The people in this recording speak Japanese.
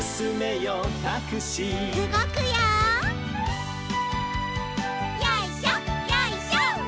よいしょよいしょ。